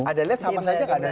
ada lihat sama saja gak ada